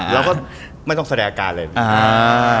เราก็ไม่ต้องแสดงอาการเลย